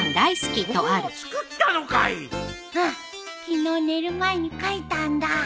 昨日寝る前に書いたんだ。